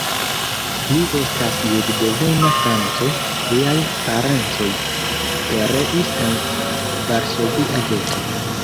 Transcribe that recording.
Li estas jud-devena franco, liaj parencoj pereis en Varsovia geto.